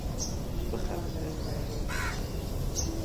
bixebite